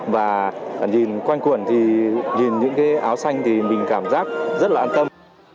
và nhìn quanh quẩn thì nhìn những cái áo xanh thì mình cảm giác rất là an tâm